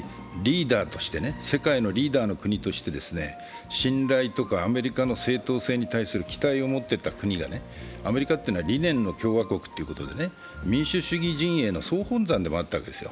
世界のリーダーの国として信頼とかアメリカの正当性に対する期待を持ってた国がアメリカってのは理念の共和国ということでね、民主主義陣営の総本山でもあったわけですよ。